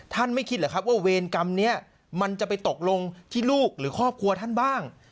ไม่คิดเหรอครับว่าเวรกรรมนี้มันจะไปตกลงที่ลูกหรือครอบครัวท่านบ้าง